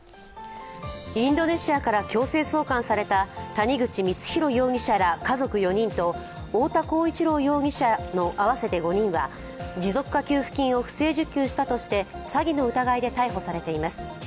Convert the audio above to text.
インドネシアから強制送還された谷口光弘容疑者ら家族４人と太田浩一朗容疑者の合わせて５人は持続化給付金を不正受給したとして、詐欺の疑いで逮捕されています。